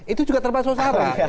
itu juga termasuk sarah